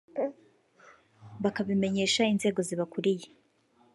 bakabimenyesha inzego zibakuriye